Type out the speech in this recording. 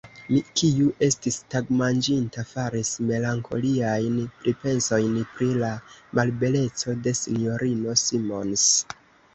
Mi, kiu estis tagmanĝinta, faris melankoliajn pripensojn pri la malbeleco de S-ino Simons.